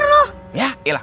dia informannya sama dengan uya